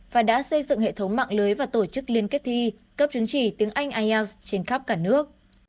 và đã xây dựng hệ thống mạng lưới và tổ chức liên kết thi cấp chứng chỉ tiếng anh ielts trên khắp cả nước